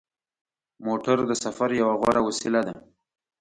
موټر د سفر یوه غوره وسیله ده.